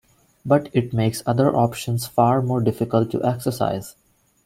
But it makes other options far more difficult to exercise.